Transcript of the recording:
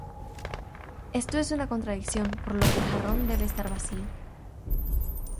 Esto es una contradicción, por lo que el jarrón debe estar vacío.